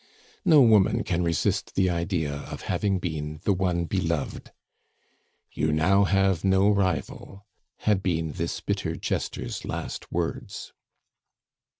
No woman can resist the idea of having been the one beloved. "You now have no rival," had been this bitter jester's last words.